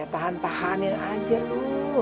tahan tahanin aja lo